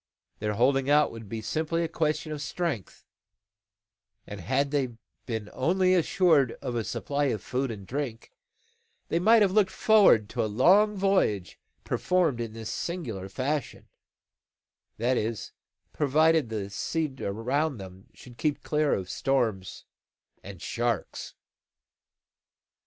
Their holding out would be simply a question of strength; and had they been only assured of a supply of food and drink, they might have looked forward to a long voyage performed in this singular fashion: that is, provided the sea around them should keep clear of storms and sharks.